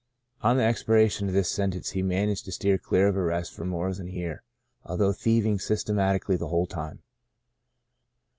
" On the expiration of this sentence he man aged to steer clear of arrest for more than a year, although thieving systematically the whole time.